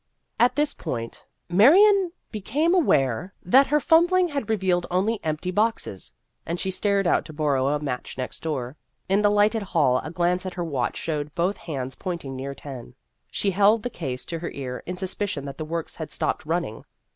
At this point Marion became aware that 124 Vassar Studies her fumbling had revealed only empty boxes, and she started out to borrow a match next door. In the lighted hall a glance at her watch showed both hands pointing near ten. She held the case to her ear in suspicion that the works had stopped running.